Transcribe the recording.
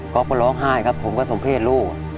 ก็ร้องไห้ครับผมก็สมเพศลูก